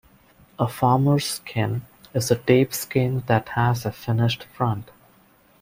A "farmer's sink" is a deep sink that has a finished front.